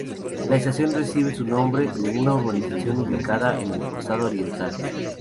La estación recibe su nombre de una urbanización ubicada en el costado oriental.